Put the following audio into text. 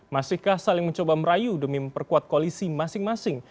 masihkah saling mencoba merayu demi memperkuat koalisi masing masing